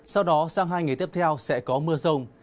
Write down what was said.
sau đó sang hai ngày tiếp theo sẽ có mưa rông